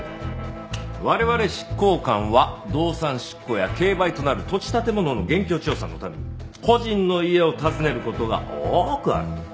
我々執行官は動産執行や競売となる土地建物の現況調査のために個人の家を訪ねる事が多くある。